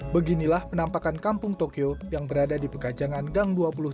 beginilah penampakan kampung tokyo yang berada di pekajangan gang dua puluh satu